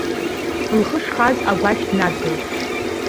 Лхы шхаз агәашә днадгылт.